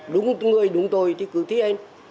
đúng người đúng tôi thì cứ thi hành